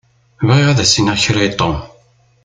Bɣiɣ ad as-iniɣ kra i Tom.